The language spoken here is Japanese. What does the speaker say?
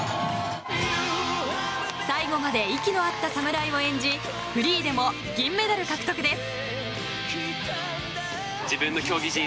最後まで息の合ったサムライを演じフリーでも銀メダル獲得です。